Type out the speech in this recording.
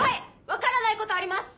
分からないことあります